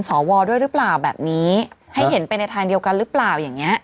สวด้วยหรือเปล่าแบบนี้ให้เห็นไปในทางเดียวกันหรือเปล่าอย่างเงี้